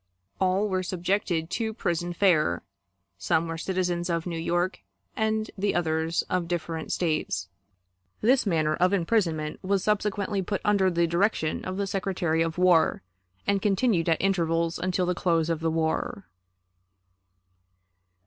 All were subjected to prison fare. Some were citizens of New York, and the others of different States. This manner of imprisonment was subsequently put under the direction of the Secretary of War, and continued at intervals until the close of the war.